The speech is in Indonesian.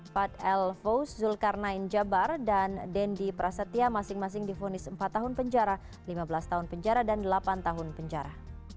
pad l faus zulkarnain jabar dan dendi prasetya masing masing difonis empat tahun penjara lima belas tahun penjara dan delapan tahun penjara